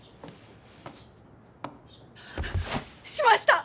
しました！